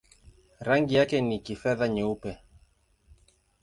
Rangi yake ni kifedha-nyeupe.